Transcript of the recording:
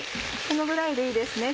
このぐらいでいいですね